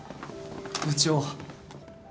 部長。